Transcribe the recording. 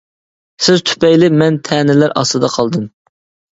سىز تۈپەيلى مەن تەنىلەر ئاستىدا قالدىم.